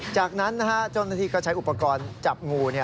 จากนั้นเจ้าหน้าที่ก็ใช้อุปกรณ์จับงู